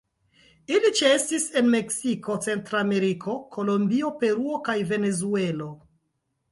Ili ĉeestis en Meksiko, Centrameriko, Kolombio, Peruo kaj Venezuelo.